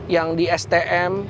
yang di stm